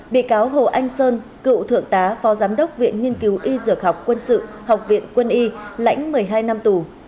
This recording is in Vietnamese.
bị cáo hồ anh sơn cựu thượng tá phó giám đốc viện nghiên cứu y dược học quân sự học viện quân y lãnh một mươi hai năm tù